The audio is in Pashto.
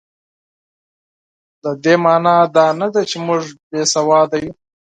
د دې مانا دا نه ده چې موږ بې سواده یو.